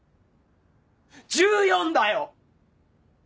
１４だよ！